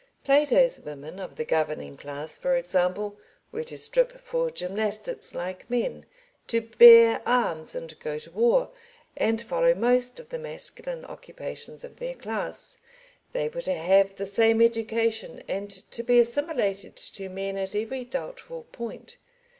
Plato's women of the governing class, for example, were to strip for gymnastics like men, to bear arms and go to war, and follow most of the masculine occupations of their class. They were to have the same education and to be assimilated to men at every doubtful point.